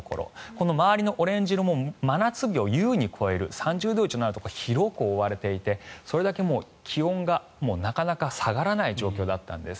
この周りのオレンジ色も真夏日を優に超える３０度以上になるところに広く覆われていてそれだけ気温がなかなか下がらない状況だったんです。